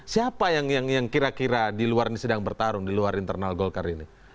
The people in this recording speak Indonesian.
siapa yang kira kira di luar ini sedang bertarung di luar internal golkar ini